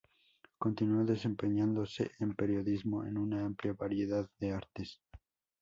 Continuó desempeñándose en periodismo en una amplia variedad de artes.